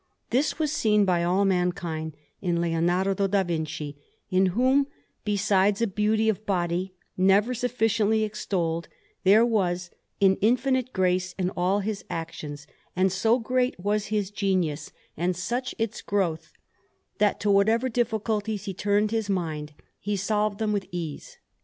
This was seen by all mankind in Leonardo da Vinci, in whom, besides a beauty of body never sufficiently extolled, there was an infinite grace in all his actions; and so great was his genius, and such its growth, that to whatever difficulties he turned his mind, he solved them with ease.